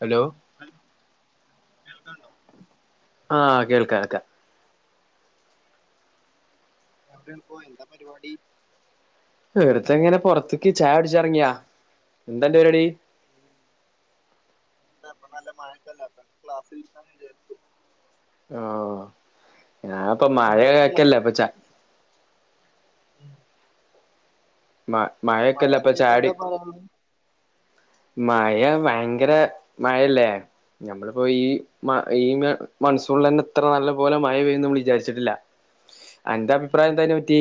Hello- കേൾക്കാണ്ടോ? ആഹ് കേൾക്കാ കേക്കാ- എവിടാണിപ്പോ എന്താ പരുവാടി- വെർതെ ഇങ്ങനെ പൊറത്തെക്ക് ചായടിച്ച എറങ്ങിയാ എന്താന്റെ പരാടി- ന്ത അപ്പ നല്ല മഴെണ്ടല്ല അപ്പൊ ക്ലാസീൽന്ന് വിചാരിച്ചു- ആഹ്- ഞാ ഇപ്പൊ എന്താപ്പോ മഴ മഴയക്കല്ലേ പ്പചാ ഉം മ മഴൊക്കെല്ലേ അപ്പ മഴക്കായിട്ട് എന്താ ചായടി- പറയാനുള്ളെ മഴയ ഭയങ്കര മഴല്ലേ? ഞമ്മളിപ്പൊ ഈ മ ഈ മൺസൂണിലന്നെ ഇത്ര നല്ലപോലെ മഴപെയ്യു നമ്മ വിചാരിച്ചിട്ടില്ല- അന്റെ അഭിപ്രായം ഉം എന്തയിനെപറ്റി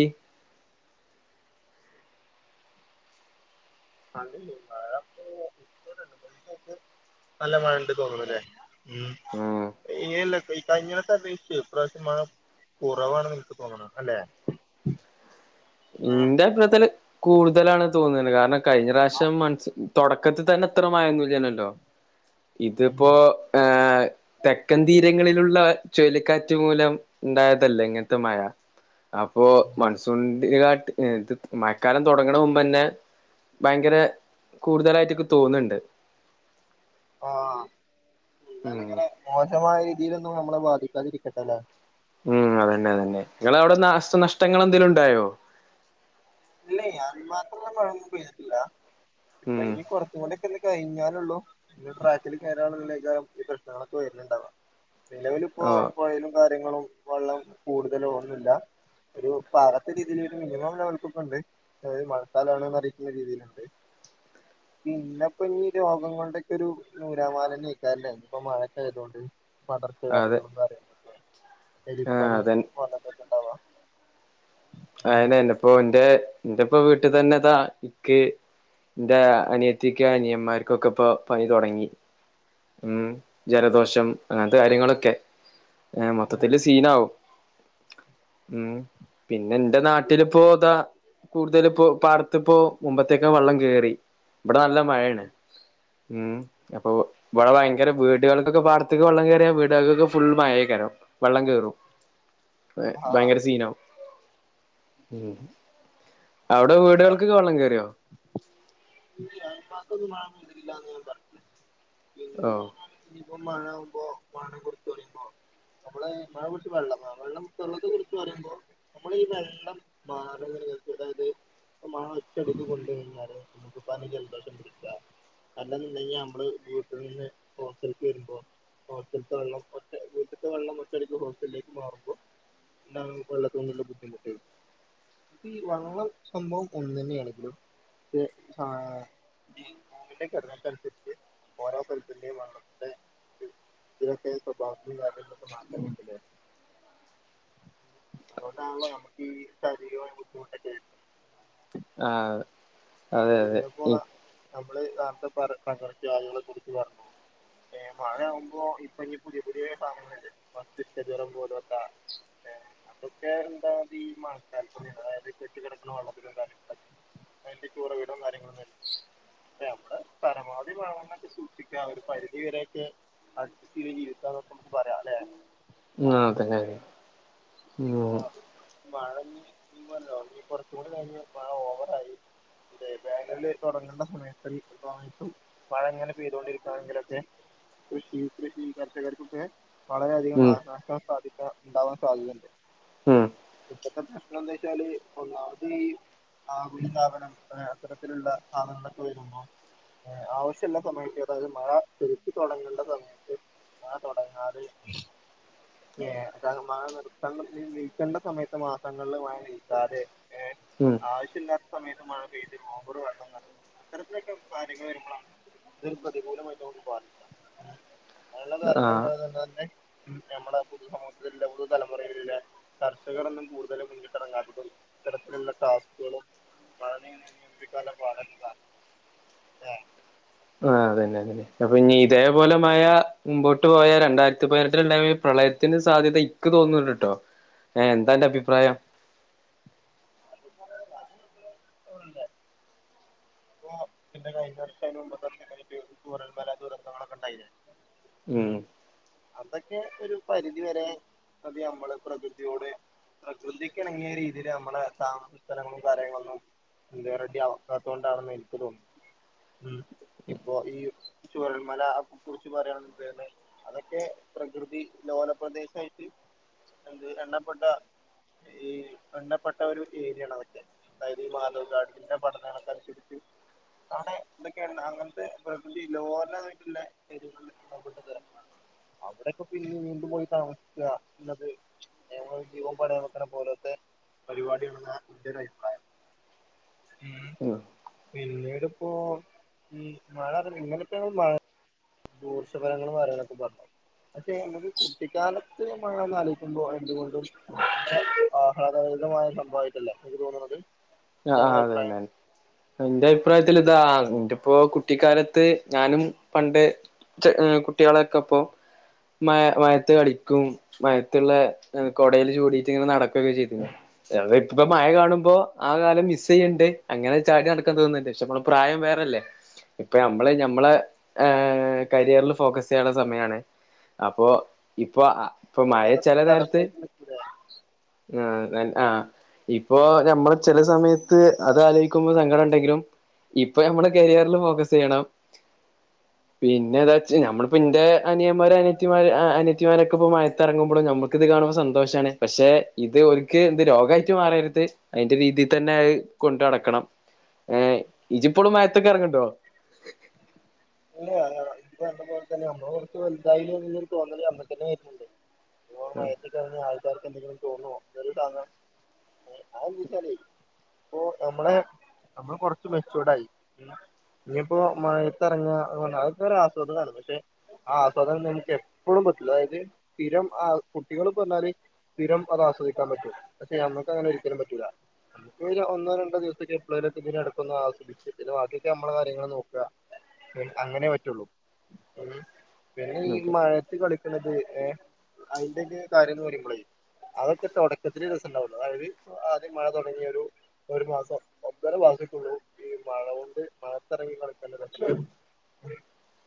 [unintelligible] നല്ല മഴേണ്ട് തോന്നണുല്ലേ ഉം- ഏയല്ല കയ്ഞ്ഞവർഷത്തെപെയ്ത്ത് ഇപ്രാശ മഴ- കുറവാണ് നിനക്ക് തോന്നണെ അല്ലെ- ഇന്റെ അഭിപ്രായത്തില് കൂടുതലാണ് തോന്നണ് കാരണം കഴിഞ്ഞ പ്രാശ്യം മൺസൂ തൊടക്കത്തിതന്നെ ഇത്ര മയൊന്നില്ലൃനല്ലോ? ഇതിപ്പോആ തെക്കൻ തീരങ്ങളിൽ- ലൂള്ള ചുഴലിക്കാറ്റ് മൂലം ഉണ്ടായതല്ലെ ഇങ്ങൻത്തെ മഴ- അപ്പൊ മൺസൂൺൻ്റെതാട്ട്- ഇത് മഴക്കാലം തുടങ്ങണ മുമ്പന്നെ ഭയങ്കര കൂടുതലായിട്ട്ക്ക് തോന്ന്ണ്ട് ആ ഉം ന്നാലിങ്ങനെ മോശമായ രീതിൽ നമ്മളെ ബാധിക്കാതിരിക്കട്ടെല്ലെ ഉം അതന്നെ അതന്നെ നിങ്ങളവിടെ നാശ നഷ്ടങ്ങൾ എന്തേലുണ്ടായോ ഇല്ല ഞാൻ മാത്രള മഴൊന്നും പെയ്തിട്ടില്ല ഉം ഇപ്പൊനി കൊറച്ചൂടി കഴിഞ്ഞാലുള്ളൂ ഇ ട്രാക്കിൽ ഈ പ്രശ്നങ്ങളൊക്കെ വരുന്നുണ്ടവാ നിലവിലിപ്പോ ഓ പുഴേലും കാര്യങ്ങളും വെള്ളം കൂടുതലൊ ഒന്നുല്ല ഒരു പാറത്ത രീതില് ഒരു മിനിമം ലെവൽ ണ്ട് അതായത് മഴത്താലണന്ന് അറിയിക്കുന്ന രീതില്ണ്ട് പിന്നെപ്പോ ഇനി രോഗങ്ങളുടൊക്കെരു നൂരാമാലന്നയ്ക്കാറല്ലെ ഇപ്പൊ മഴക്കയാതൊണ്ട് പടർച്ച അതെ വ്യാദികളും എന്ന് പറയുന്നത് ആഹ് എലിപ്പനി അതെ വള- ന്റെപ്പൊ വീട്ടിതന്നെതാ ഇക്ക് എന്റെ അനിയത്തിക്ക അനിയന്മാർക്കൊക്കെ ഇപ്പൊ പനി തൊടങ്ങി ഉം ജലദോഷം അങ്ങനത്തെ കാര്യങ്ങളൊക്കെ ആ മൊത്തത്തില് സീനാവും ഉം പിന്നെന്റെ നാട്ടിലിപ്പൊതാ കൂടുതലിപ്പൊ പാടത്തിപ്പോ മുമ്പത്തേക്ക വെള്ളം കേറി ഇവടെ നല്ല മഴേണ് ഉം അപ്പൊ ഇവടെ ഭയങ്കര വീടുകൾക്കൊക്കെ പാടത്തേക്ക് വെള്ളം കയറിയ വീടുകൾക്കൊക്കെ ഫുൾ മഴക്ക- വെള്ളം കേറും ഉ ഭയങ്കര സീനവും അവിടെ വീടുകൾക്ക് വെള്ളം കേയറിയോ ഇ അന്മാക്കൊന്നും വഴ ഇതില്ലന്ന് ഞാൻ പറഞ്ഞില്ലേ ഓ. ഇപ്പൊ മഴ ആവുമ്പോ മഴെ കുറിച്ച് പറയുമ്പോ. നമ്മള മഴ കുടിച്ച് വെള്ളം വെള്ളം വെള്ളത്തെ കുറിച്ച് പറയുമ്പോൾ നമ്മള് ഈ വെള്ളം [unintelligible] അതായത് മ [unintelligible] കൊണ്ടുകഴിഞ്ഞാല് ജലദോശം പിടിക്ക അല്ലെന്നുണ്ടെങ്കി നമ്മള് വീട്ടിൽ നിന്ന് പോറത്തിറക്കി വരുമ്പോ ഹോസ്റ്റലത്തെ വെള്ളം ഒറ്റ വീട്ടിലത്തെ വെള്ളം ഒറ്റടിക്ക് ഹോസ്റ്റലിലേക്ക് മാറുമ്പോൾ ഇാ കൊല്ലാത്തൊന്നുള്ള ബുദ്ധിമുട്ട്. അപ്പ ഈ വള്ളം സംഭവം ഒന്നു തന്നെയാണെങ്കിലോ. [unintelligible] ഭൂമിന്റെ ഘടനയ്ക്ക് അനുസരിച്ചിച്ച് ഒരോ [unintelligible] സ്വഭാവത്തിലോക്കെ മാറ്റകണ്ടു തുടങ്ങി. അതുകൊണ്ടാണല്ലോ. നമുക്ക് ഈ ശരീരവും ബുദ്ധിമുട്ടൊക്കെ ആരുന്നു. ആഹ പിന്നെപ്പോ നമ്മള് നേരത്തെ പറ പങ്കടുക്ക ആളുകളെ കുറിച്ച് പറഞ്ഞു മഴ ആവുമ്പോ ഇപ്പൊ ഇനി പുതിയ പുതിയാ സനങ്ങൾ. [unintelligible] അതൊക്കെ രണ്ടാത് ഈ മഴ അതായത് കെട്ടികിടക്കുന്ന വെള്ളത്തിലും കാര്യങ്ങളൊക്കെ അ [inaudible] കാര്യങ്ങളൊക്കെ നമ്മുടെ പരമ ആ വേ എന്നൊക്കെ സൂക്ഷിക്കുക ഒരു പരിധിവരെെയൊക്കെ അഡ്ജസ്റ്റ് ജീവിതാക്കെ നമുക്ക് പറയാം അല്ലെ ആഹ് അതന്നെയാരുന്നു. ഇപ്പോ. മഴ പറഞ്ഞീനല്ലോ കുറച്ചൂടെ കഴിഞ്ഞ മഴ ഓവറായി ഇല്ലേ. മ ഉറങ്ങേണ്ട സമയത്ത്ട്ടും മഴ എങ്ങനെ പെയ്തൊണ്ടിരിക്കുകയാണെങ്കിലൊക്കെ കൃഷി കൃഷി കർഷകർക്കൊക്കെ വളരെയധികം ഉം നാശനഷ്ടം സാധിക്കും ഉണ്ടാവാൻ സാധ്യതുണ്ട് ഉം ഇപ്പത്തെ പ്രശ്നം എന്ത വെച്ചാല് ഒന്നാമത് ഈ ആകുല ഉണ്ടാവണം അത്തരത്തിലുള്ള സാധനങ്ങളൊക്കെ വരുമ്പോ ആവശ്യമുള്ള സമയത്ത് അതായത് മഴ ശരിക്ക് തുടങ്ങണ്ട സമയത്ത്. ആ തുടങ്ങാല്. ഏ അത മഴ നൃത്തങ്ങ നീക്കേണ്ട സമയത്ത് മാസങ്ങളില് മഴ നീക്കാതെ ഏ ഉം ആവശ്യമില്ലാത്ത സമയത്ത് മഴ പെയ്ത് ഓവറ് വെള്ളം അത്തരത്തിലൊക്കെ [unintelligible] വരുമ്പോ ഇതു ഒരു പ്രതികൂലമായിട്ടാ ബാധിക്കാ. അ കാര്യൾ ഉണ്ട ആഹ് എ തന്നെ നമ്മുടെ പൊതു സമൂഹത്തിൽ പൊതു തലമുറയിലളെ കർഷകർന്നും കൂടുതല മുൻകിട്ട് ഇറങ്ങാട്ടില്ല ഇത്തരത്തിലുള്ള ടാസ്കുകളും മാ [unintelligible] ഇല്ലേ. ആ അതന്നെ അതന്നെ അപ്പൊ ഇനി ഇതേപോലെ മഴ മുമ്പോട്ട് പോയ രണ്ടായിരത്തി പതിനെട്ടിൽണ്ടായ പ്രളയ പ്രളയത്തിന് സാധ്യത ഇക്ക് തോന്നണ്ട് കേട്ടോ ഏ എന്താന്റെ അഭിപ്രായം. [inaudible] ഇല്ലേ. പ്പ പിന്റെ കഴിഞ്ഞ വർഷംന് മൻമ്പത് വർഷംട്ട ചൂരൽമല ദുരന്തങ്ങളൊക്കെ ഉണ്ടായില്ലേ ഉം. അതൊക്കെ ഒരു പരിധി വരെ അതി നമ്മള് പ്രകൃതിയോട്. പ്രകൃതിക്ക് ഇണങ്ങിയ രീതിയില് നമ്മളെ താമസ സ്ഥലങ്ങളും കാര്യങ്ങളൊന്നും എന്ത [unintelligible] കൊണ്ടാണെന്ന് എനിക്ക് തോന്നുന്നു. ഇപ്പൊ ഈ ചൂരന്മല കുറിച്ച് പറയാണെങ്കിൽ അതൊക്കെ പ്രകൃതി ലോലപ്രദേശമായിട്ട് എന്ത് എണ്ണപ്പെട്ട ഈ എണ്ണപ്പെട്ട ഒരു ഏരിയയാണ് അതൊക്കെ മറ്റേ അതായത് ഈ മാധവ് ഗാഡ്കലിന്റെ പഠനൊക്കെ അനുസരിച്ച് [inaudible] ആഹ് എന്തൊക്കെയ അങ്ങനത്തെ പ്രകൃതി ലോലമായിട്ടുള്ള അവിടൊക്കെ പിന്നെ വീണ്ടു പോയി താമസിക്കാ എന്നത് ഞങ്ങള ജീവൻ പണയം വെക്ക്ണ പോലത്തെ പരിപാടിയ എൻ്റെ ഒരു അഭിപ്രായം ഉം ഉം പിന്നീട് ഇപ്പോ ഈ മഴ ഇങ്ങനത്തെ മഴ ദൂഷ്യഫലങ്ങളും വരാനൊക്കെ പറഞ്ഞ് പക്ഷെ എന്നത് കുട്ടിക്കാലത്ത് മഴ എന്നാലോജിക്കുമ്പോ എന്തുകൊണ്ടും ആഹ്ലാദമാ ഇള്ളമഴ സംഭവമായിട്ടല്ലേ എനിക്ക് തോന്നുന്നത് എന്താ ആഹ് ആഹ് നിങ്ങളെ അഭിപ്രായം അതന്നെ എന്റെ അഭിപ്രായത്തിലിതാ എന്റെപ്പോ കുട്ടിക്കാലത്ത് ഞാനും പണ്ട് [unintelligible] കുട്ടികളൊക്കെപ്പോൾ മയ മഴയത്ത് കളിക്കും മഴയത്തുള്ള കുടയും ചൂടിട്ട് ഇങ്ങനെ നടക്കൊക്കെ ചെയ്തി അതെ ഇപ്പോ മഴ കാണുമ്പോ ആ കാലം മിസ് ചെയ്യുന്നുണ്ട് അങ്ങനെ ചാടി നടക്കാൻ തോന്നുന്നുണ്ട് പക്ഷെ നമ്മടെ പ്രായം വേറെല്ലേ ഇപ്പൊ നമ്മള് ഞമ്മളെ ഏഹ് കരിയറിൽ ഫോക്കസ് ചെയ്യാനുള്ള സമയമാണ് അപ്പൊ ഇപ്പൊ ഇപ്പൊ അതുകൊണ്ട് മഴ അതൊക്കെ ചെല നേരത്ത് തടസ്സായിട്ട് നിക്കൂലേ ആഹ് ആഹ് ഇപ്പോ നമ്മള് ചില സമയത്ത് അത് ആലോചിക്കുമ്പോ സങ്കടം ഉണ്ടെങ്കിലും ഇപ്പൊ നമ്മടെ കരിയറിൽ ഫോക്കസ് ചെയ്യണം ഉ [inaudible] പിന്നെ എന്താ ജ് നമ്മൾ എന്റെ അനിയന്മാര് അനിയത്തിമാര് ഒക്കെ മയത്തിറങ്ങുമ്പോഴും നമുക്ക് ഇത് കാണുമ്പോ സന്തോഷമാണ് പക്ഷെ ഇത് ഒൽക്ക് എന്ത് രോഗായിട്ട് മാറരുത് അതിന്റെ രീ ഇതി തന്നെ അത് കൊണ്ട് നടക്കണം ഇജിപ്പോളും ഇത്തക്ക ഇറങ്ങ്ണ്ടോ അല്ല ഇത് പറഞ്ഞ പോലെ തന്നെ നമ്മള് കുറച്ച് വലുതായി എന്ന തോന്നല് നമ്മക്ക് തന്നെ വര്ണണ്ട് ന മയത്തിൽ കുറഞ്ഞ ആൾക്കാർക്ക് എന്തെങ്കിലും തോന്നോ ഇത് താങ്ങാ അതെന്താച്ചാലെ അപ്പോ നമ്മളെ നമ്മൾ കൊറച്ച് മെച്ചോഡ് ആയി ഇനിയിപ്പോ മഴത്തിറങ്ങ അതുകൊണ്ട് അതൊക്കെ ഒരു ആസ്വാദനാണ് പക്ഷെ ആഹ് ആസ്വാദനം നമുക്ക് എപ്പോഴും പറ്റില്ല അതായത് സ്ഥിരം ആ കുട്ടികൾ പറഞ്ഞാല് സ്ഥിരം അത ആസ്വദിക്കാൻ പറ്റും പക്ഷെ നമ്മക്ക് അങ്ങനെ ഒരിക്കലും പറ്റില്ല [unintelligible] ഒന്നോ രണ്ടോ ദിവസൊക്കെ എപ്പേളങ്കിലും ഇടയ്ക്കൊക്കെ ആസ്വദിച്ച് പിന്നെ മ്പാക്കി ഒക്കെ നമ്മള കാര്യങ്ങൾ നോക്കുക അങ്ങനെ പറ്റുള്ളൂ പിന്നെ ഈ മഴത്ത് കളിക്കുന്നത് ഏ അതിന്റെക്കെ കാര്യംന്ന് പറയുമ്പോളേ അതൊക്കെ തൊടക്കത്തിലേ രസണ്ടാവുള്ളു അതായത് ആദ്യം മഴ തുടങ്ങിയൊരു ഒരു മാസം ഒന്നര മാസക്കുള്ളൂ ഈ മഴ കൊണ്ട് മഴത്തിറങ്ങി നടക്കണ്ട രസം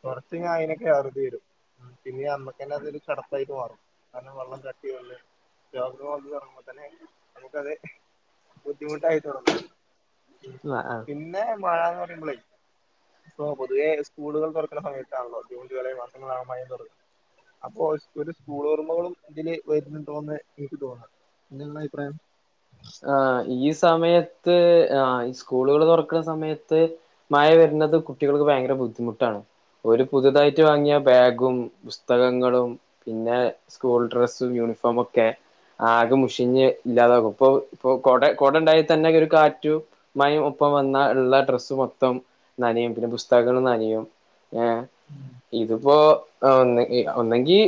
കൊറച്ച് കഴിഞ്ഞാ അയിനൊക്കെ അറുതി വരും ഉം പിന്നെ ഞമ്മക്കെന്നെ അത് ചടപ്പായിട്ട് മാറും കാരണം വെള്ളം കട്ടിയോല്ലേ [unintelligible] ആകുമ്പോ തന്നെ നമുക്കത് ബുദ്ധിമുട്ടായി തൊടങ്ങും ആഹ് പിന്നെ മഴന്ന് പറയുമ്പോളേ പൊതുവേ സ്കൂളുകൾ തുറക്കണ സമയത്താണല്ലോ ജൂൺ ജൂലൈ മാസങ്ങളാണല്ലോ മഴ തുടങ്ങുന്നത് അപ്പോ ഒരു സ്ക്കൂൾ ഓർമ്മകളും ഇതില് വരുന്നുണ്ടോ എന്ന് എനിക്ക് തോന്നാ എന്താ നിങ്ങടെ അഭിപ്രായം ആഹ് ഈ സമയത്ത് ആഹ് ഈ സ്കൂളുകൾ തുറക്കുന്ന സമയത്ത് മഴ വരുന്ന ന്നത് കുട്ടികൾക്ക് ഭയങ്കര ബുദ്ധിമുട്ടാണ് ഒരു പുതിതായിട്ട് വാങ്ങിയ ബാഗും പുസ്തകങ്ങളും പിന്നെ സ്കൂൾ ഡ്രസ്സും യു- യൂണിഫോമൊക്കെ ആകെ മുഷിഞ്ഞ് ഇല്ലാതാക്കും ഇപ്പൊ ഇപ്പൊ കൊട കൊട ഉണ്ടായാതന്നെ ഒരു കാറ്റു മയും ഒപ്പം വന്നാ ഉള്ള ഡ്രസ്സ് മൊത്തം നല്ല പിന്നെ പുസ്തകങ്ങളും ന്നനയും ഇതിപ്പോ ഒ ഒന്നെങ്കി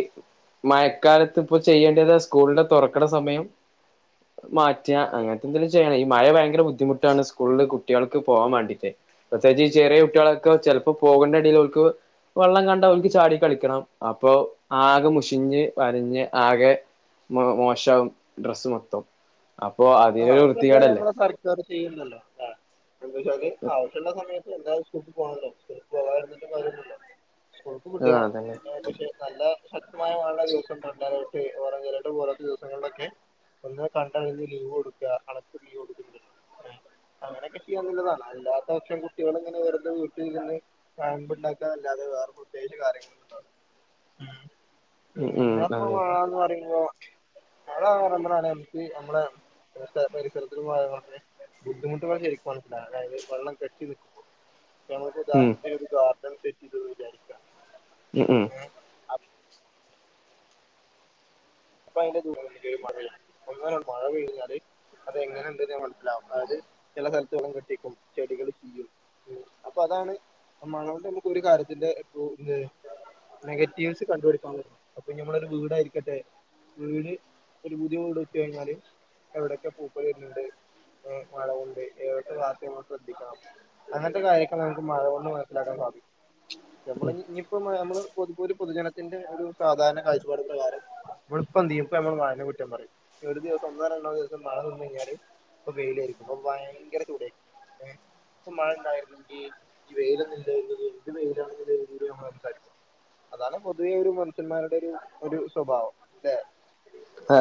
മഴക്കാലത്ത് ഇപ്പൊ ചെയ്യേണ്ടത് സ്കൂളിന്റെ തൊറക്കണ് സമയം മാറ്റ റ്റാ അങ്ങനത്തെ എന്തെലും ചെയ്യണം ഈ മഴ ഭയങ്കര ബുദ്ധിമുട്ടാണ് സ്കൂളിൽ കുട്ടികൾക്ക് പോവാമാണ്ടീട്ട് പ്രത്യേകിച്ച് ഈ ചെറിയ കുട്ടിളൊക്കെ ചെലപ്പോ പോകേണ്ട എടയിലോലക് വെള്ളം കണ്ട ഓലക്ക് ചാടി കളിക്കണം അപ്പൊ ആകെ മുഷിഞ്ഞ് വരഞ്ഞ് ആകെ മ മോശവും ഡ്രസ് മൊത്തവും അപ്പൊ അതൊരു വൃത്തികേടല്ലേ ചെയ്യുന്നല്ലോ ആ എ വെച്ചാല് ആവശ്യള്ള സമയത്ത് എന്തായാലും സ്കൂൾക്ക് പോണല്ലോ സ്കൂൾക്ക് പോവതിന്നിട്ട് കാര്യല്ലലോ സ്കൂൾക്ക് ആ വിടാ അതന്നെ നല്ല ശക്തമായ മഴ ദിവസം [inaudible] ദിവസങ്ങളിലൊക്കെ ഒന്ന് കണ്ടറിഞ്ഞു ലീവ് കൊടുക്ക കളക്‌ടർ ലീവ് കൊടുക്ക അങ്ങനൊക്കെ ചെയ്യാൻുള്ളതാണ് അല്ലാത്ത പക്ഷം കുട്ടികൾ ങ്ങനെ വെറുതെ വീട്ടിലിരുന്ന് പയമ്പുണ്ടാക്കാന്നല്ലാതെ വേറെ [unintelligible] ഉം ഉം പിന്നെപ്പോ അതെ വന്ന് പറയുമ്പോ [unintelligible] നമ്മളെ [unintelligible] പരിസരത്തി ബുദ്ധിമുട്ട് ശരിക്കും അതായത് വെള്ളം കെട്ടിനിക്കുമ്പോ ഉം [unintelligible] ഉം ഉം ഏഹ് അപ്പൊ അതിന്റെ [unintelligible] ഒന്ന് മഴ പെയ്താ ല് [unintelligible] അതെങ്ങനെ ണ്ടെന്ന് മനസ്സിലാവും അതത് ചില സ്ഥലത്ത് വെള്ളം കെട്ടി ക്കും ചെടികൾ ചെയ്യും അപ്പൊത് അതാണ് മായൊണ്ട് നമുക്ക് ഒരു കാര്യത്തിന്റെ [unintelligible] നെഗറ്റീവ്സ് കണ്ടുപിടിക്കാൻപറ്റും അപ്പൊ ഞമ്മളൊരു വീടായിരിക്കട്ടെ വീട് ഒരു പുതിയ വീട് വച്ച കഴിഞ്ഞാല് എവിടെൊക്കെ പൂപ്പല് വരുനണ്ട് ഏ മഴ കൊണ്ട് ഏതൊക്കെവാത്ത് ശ്രദ്ധിക്കണം അങ്ങനത്തെ കാര്യങ്ങളൊക്കെ നമുക്ക് മഴ കൊണ്ട് മനസിലാക്കാന് [inaudible] നമ്മള് ഇനിയിപ്പോ നമ്മള് പൊതു ഒരു പൊതുജനത്തിന്റെ ഒരു സാധാരണ കാഴ്ചപ്പാട് ള്ളതാണ് നമ്മളിപ്പന്തെയ്യും ഇപ്പ നമ്മ മഴനെ കുറ്റം പറയും ഇനി ഒരു ദിവസം ഒന്നോ രണ്ടോ ദിവസം മഴനിന്ന് ഴിഞ്ഞാല് പ്പൊ വെയിലായിരിക്കും അപ്പൊ ഭയങ്കര ചൂടെയ് ഇപ്പോ മഴണ്ടായിരുന്നെങ്കിൽ ഈ വെയിലൊന്നില്ല എന്ത് വെയിലണൂ നമ്മൾ സംസാരിക്കും അതാണ് പൊതുവേ ഒരു മനുഷ്യന്മാരുടെ ഒരു ഒരു സ്വഭാവം ലേ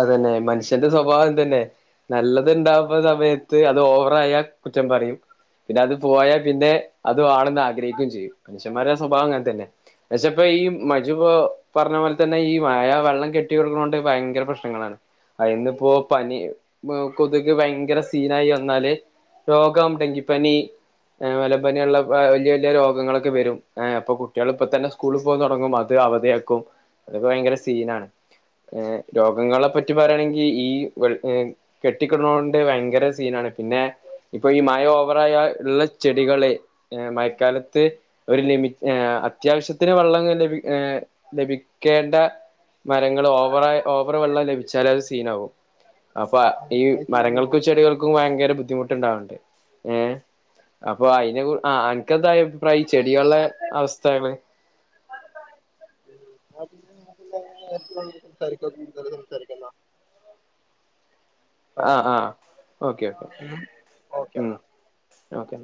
അതന്നെ മനുഷ്യന്റെ സ്വഭാവം അതന്നെ നല്ലത്ണ്ടാവ്ണ സമയത്ത് അത് ഓവറായാൽ കുറ്റം പറയും പിന്നെ അത് പോയാൽ പിന്നെ അത് വാണെന്ന് ആഗ്രഹിക്കേം ചെയ്യും മനുഷ്യന്മാരുടെ സ്വഭാവം അങ്ങനെ തന്നെ പക്ഷേ ഈ മജു പറഞ്ഞ പോലെ തന്നെ ഈ മഴ വെള്ളം കെട്ടി കൊടുക്കുണോണ്ട് ഭയങ്കര പ്രാ പ്രശ്നങ്ങളാണ് അതിന്നിപ്പോ പനി കൊതുക് ഭയങ്കര സീനായി വന്നാല് രോഗം ഡെങ്കിപ്പനി മലമ്പനിയ ഉള്ള വലിയ വലിയ രോഗങ്ങളൊക്കെ വരും അപ്പൊ കുട്ടികൾ ഇപ്പൊ തന്നെ സ്കൂളിൽ പോയ് തൊടങ്ങും അത് അവധിയാക്കും ഭയങ്കര സീനാണ് രോഗങ്ങളെ പറ്റി പറയയാണെങ്കി ഈ കെട്ടിക്കെടക്കണോണ്ട് ഭയങ്കര സീനാണ് പിന്നെ ഇപ്പൊ ഈ മഴ ഓവറായ ഉള്ള ചെടികളെ മഴക്കാലത്ത് ഒരു ലിമിറ്റ് ആ അത്യാവശ്യത്തിന് വെള്ളം ലഭി ലഭിക്കേണ്ട മരങ്ങൾ ഓവറ ഓവർ വെള്ളം ലഭിച്ചാലത് സീനാവും അപ്പൊ ഈ എന്നാ മരങ്ങൾക്കും ചെടികൾക്കും ഭയങ്കര ബുദ്ധിമുട്ട് ണ്ടാവണ്ട് ഏ അപ്പൊ അയിനെ കുറി ആ അനക്കെന്തപ്പിപ്രായം ചെടിയളെ അവസ്ഥകൾ സംസാരിക്ക കൂടുതൽ സംസാരിക്കന്നാ ആഹ് ആഹ് ഓക്കെ ഓക്കെ ഓക്കെ എന്നാ ഉം ഓക്കെ